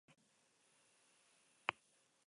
Bestalde, neguko boilurraren bilketa hasita dago.